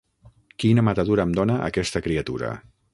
Quina matadura em dona, aquesta criatura!